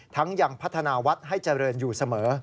ทั้งยังพัฒนาวัสดิ์ให้เจริญอยู่เสมอ